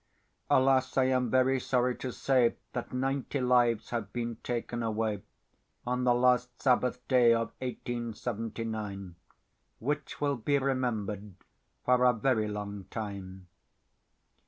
Alas! I am very sorry to say That ninety lives have been taken away On the last Sabbath day of 1879, Which will be remember'd for a very long time.